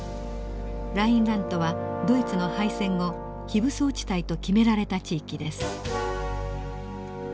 ラインラントはドイツの敗戦後非武装地帯と決められた地域です。